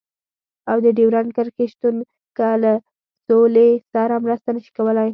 او د ډيورنډ کرښې شتون کې له سولې سره مرسته نشي کولای.